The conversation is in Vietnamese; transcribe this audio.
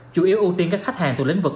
chủ yếu ưu tiên các khách hàng thuộc lĩnh vực